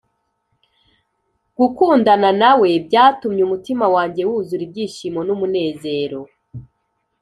gukundana nawe byatumye umutima wanjye wuzura ibyishimo n’umunezero